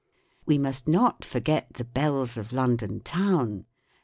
We must not forget the bells of London Town.